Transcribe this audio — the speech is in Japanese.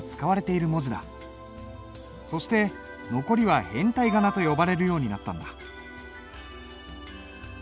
そして残りは変体仮名と呼ばれるようになったんだ。